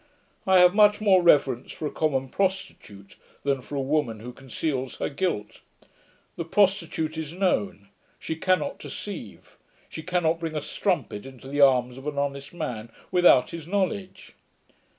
I have much more reverence for a common prostitute than for a woman who conceals her guilt. The prostitute is known. She cannot deceive: she cannot bring a strumpet into the arms of an honest man, without his knowledge.'